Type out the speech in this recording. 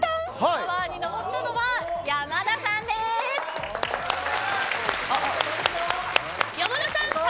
タワーに登ったのは山田さんです。